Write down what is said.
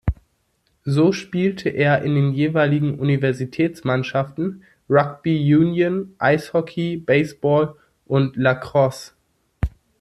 So spielte er in den jeweiligen Universitätsmannschaften Rugby Union, Eishockey, Baseball und Lacrosse.